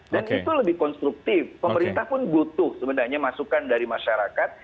dan itu lebih konstruktif pemerintah pun butuh sebenarnya masukan dari masyarakat